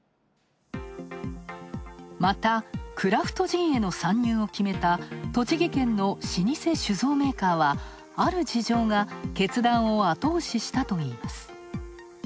またクラフトジンへの参入を決めた栃木県の老舗酒造メーカーはある事情が決断を後押ししたといいます。